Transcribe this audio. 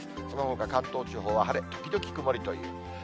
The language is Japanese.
そのほか関東地方は晴れ時々曇りという。